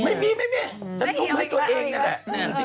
ไม่มีฉันทุ่มให้ตัวเองนั่นแหละ